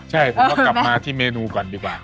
ใช่คุณต้องกลับมาที่เมนูก่อนดีกว่า